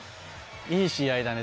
いい試合だね。